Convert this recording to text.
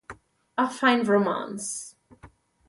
A Fine Romance